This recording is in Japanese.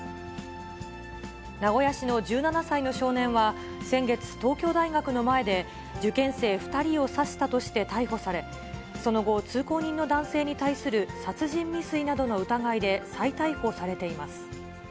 名古屋市の１７歳の少年は、先月、東京大学の前で、受験生２人を刺したとして逮捕され、その後、通行人の男性に対する殺人未遂などの疑いで再逮捕されています。